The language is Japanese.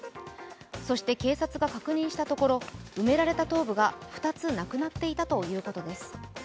そして警察が確認したところ埋められた頭部が２つなくなっていたということです。